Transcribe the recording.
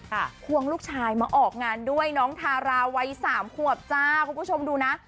ควงลูกชายมาออกงานด้วยน้องทาราวัยสามขวบจ้าคุณผู้ชมดูนะ